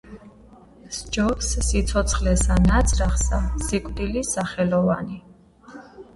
სჯობს სიცოცხლესა ნაძრახსა სიკვდილი სახელოვანი